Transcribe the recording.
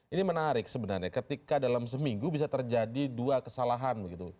ini menarik sebenarnya ketika dalam seminggu bisa terjadi dua kesalahan begitu